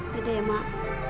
ya udah ya mak